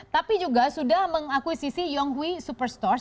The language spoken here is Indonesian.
tapi juga sudah mengakuisisi yonghui superstores